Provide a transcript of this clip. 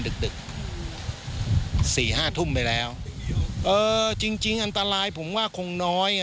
ดึกสี่ห้าทุ่มไปแล้วเออจริงจริงอันตรายผมว่าคงน้อยอ่ะ